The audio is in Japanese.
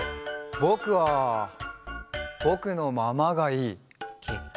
ぼくはぼくのままがいい。